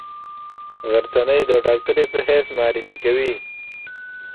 غرڅنۍ د ډاکټرې په حیث معرفي کوي.